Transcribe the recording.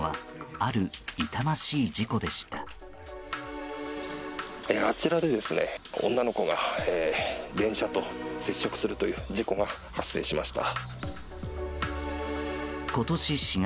あちらで女の子が電車と接触するという事故が発生しました。